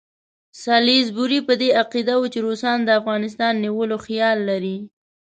سالیزبوري په دې عقیده وو چې روسان د افغانستان نیولو خیال لري.